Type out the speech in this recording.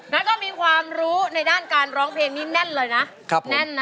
แล้วก็มีความรู้ในด้านการร้องเพลงนี้แน่นเลยนะแน่นนะ